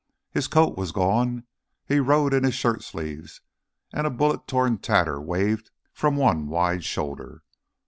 His coat was gone, he rode in his shirt sleeves, and a bullet torn tatter waved from one wide shoulder.